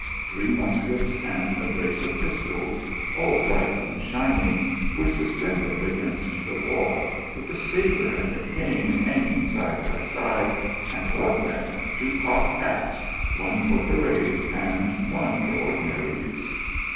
Three muskets and a brace ot pistols, all bright and shining, were suspended against the wall, with a sabre and a cane hanging side by side, and above these two cocked hats, one for parade, and one for ordinary use.